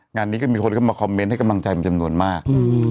งานนี้ก็มีคนเข้ามาคอมเมนต์ให้กำลังใจเป็นจำนวนมาก